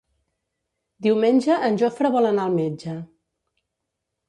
Diumenge en Jofre vol anar al metge.